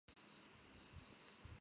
新城劲爆励志儿歌颁奖礼。